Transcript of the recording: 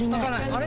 あれ？